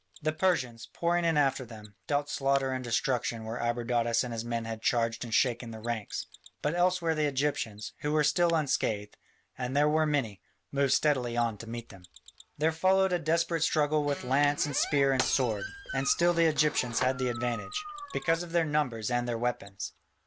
The Persians, pouring in after them, dealt slaughter and destruction where Abradatas and his men had charged and shaken the ranks, but elsewhere the Egyptians, who were still unscathed, and they were many, moved steadily on to meet them. There followed a desperate struggle with lance and spear and sword, and still the Egyptians had the advantage, because of their numbers and their weapons.